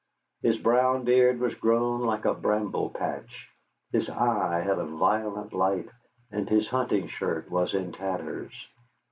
His brown beard was grown like a bramble patch, his eye had a violet light, and his hunting shirt was in tatters.